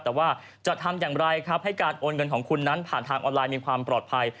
แต่ว่าจะทำอย่างไรครับให้การโอนเงินของคุณนั้นผ่านทางออนไลน์มีความปลอดภัย